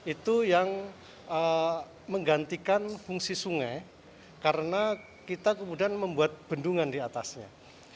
itu yang menggantikan fungsi sungai karena kita kemudian membuat bendungan di atasnya